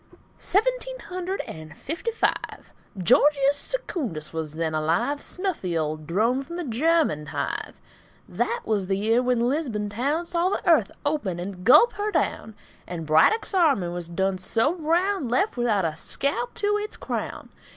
Seventeen hundred and fifty five. Georgius Secundus was then alive, Snuffy old drone from the German hive. That was the year when Lisbon town Saw the earth open and gulp her down, And Braddock's army was done so brown, Left without a scalp to its crown.